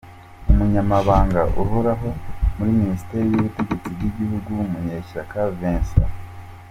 Umunyamabanga uhoraho muri Minisiteri y’ubutegetsi bw’igihugu, Munyeshyaka Vincent